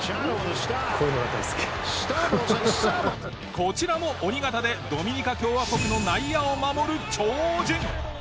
こちらも鬼肩でドミニカ共和国の内野を守る超人。